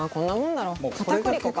片栗粉か！